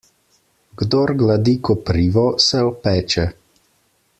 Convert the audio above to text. Kdor gladi koprivo, se opeče.